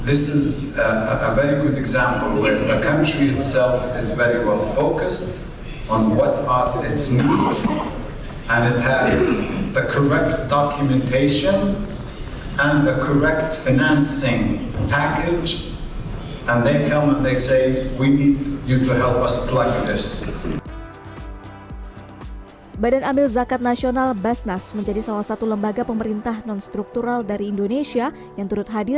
ini adalah contoh yang sangat baik di mana negara itu sendiri sangat fokus pada apa yang terjadi